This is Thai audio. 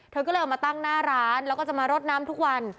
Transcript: เธอก็เลยเอามาตั้งหน้าร้านแล้วก็จะมารดน้ำทุกวัน